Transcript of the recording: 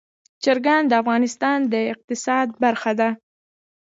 چرګان د افغانستان د اقتصاد برخه ده.